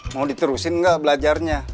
mau diterusin gak belajarnya